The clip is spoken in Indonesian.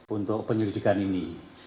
untuk penyelidikan ini